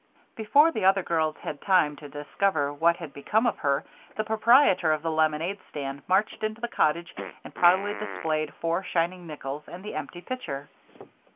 Before the other girls had had time to discover what had become of her, the proprietor of the lemonade stand marched into the cottage and proudly displayed four shining nickels and the empty pitcher.